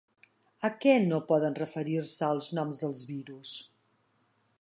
A què no poden referir-se els noms del virus?